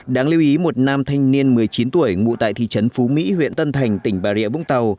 đáng lưu ý một nam thanh niên một mươi chín tuổi ngụ tại thị trấn phú mỹ huyện tân thành tỉnh bà rịa vũng tàu